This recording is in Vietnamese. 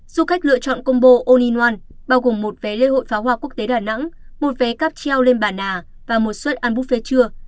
du khách lựa chọn combo all in one bao gồm một vé lễ hội phá hoa quốc tế đà nẵng một vé cắp treo lên bàn à và một suất ăn buffet trưa